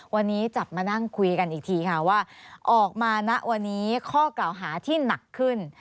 วันนี้จับมานั่งคุยกันอีกทีค่ะว่าออกมาณวันนี้ข้อกล่าวหาที่หนักขึ้น